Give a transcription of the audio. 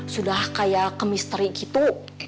sudah kayak ke misteri gitu